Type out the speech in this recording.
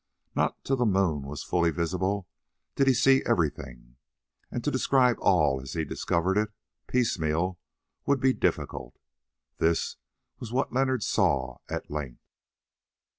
Not till the moon was fully visible did he see everything, and to describe all as he discovered it, piecemeal, would be difficult. This was what Leonard saw at length.